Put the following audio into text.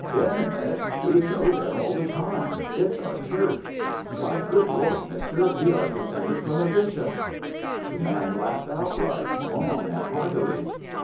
"Been in it! We go there all the time. It's our church. Why, good Lord! Mister, we are descended from a bishop!" The man laughed outright long and heartily.